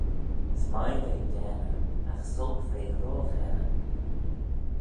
S'mie ve daaney, agh s'olk ve ro ghaaney